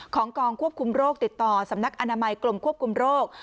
กองควบคุมโรคติดต่อสำนักอนามัยกรมควบคุมโรค